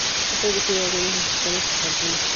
Ha producido algunos musicales infantiles.